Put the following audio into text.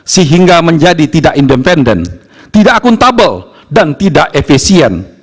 sehingga menjadi tidak independen tidak akuntabel dan tidak efisien